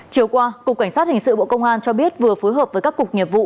chiều qua cục cảnh sát hình sự bộ công an cho biết vừa phối hợp với các cục nghiệp vụ